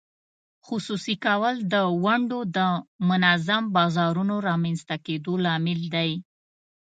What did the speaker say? خصوصي کول د ونډو د منظم بازارونو رامینځته کېدو لامل دی.